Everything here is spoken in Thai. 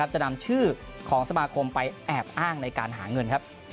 จะนำชื่อของสมาคมไปแอบอ้างในการหาเงินครับ